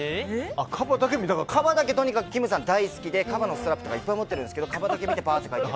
カバだけとにかくきむさん、大好きでカバのストラップいっぱい持ってるんですけどカバだけ見て帰って。